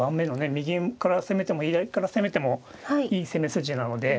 右から攻めても左から攻めてもいい攻め筋なので。